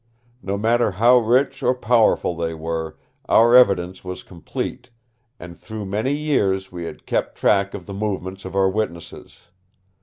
No matter how rich or powerful they were, our evidence was complete, and through many years we had kept track of the movements of our witnesses.